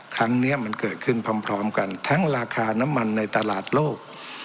ครั้งนี้มันเกิดขึ้นพร้อมกันทั้งราคาน้ำมันในตลาดโลก